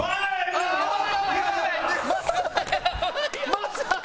まさかの！